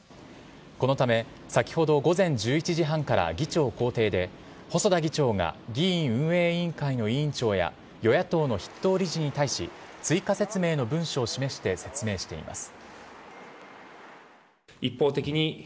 このため、先ほど午前１１時半から議長公邸で細田議長が議院運営委員会の委員長や与野党の筆頭理事に対し追加説明の文書を示して説明しています。